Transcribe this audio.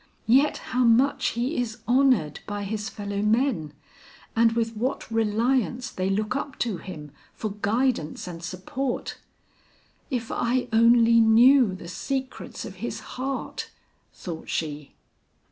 Yet how much he is honored by his fellow men, and with what reliance they look up to him for guidance and support. If I only knew the secrets of his heart!" thought she.